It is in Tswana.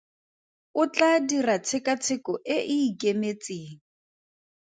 O tla dira tshekatsheko e e ikemetseng.